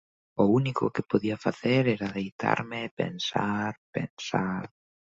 O único que podía facer era deitarme e pensar, pensar...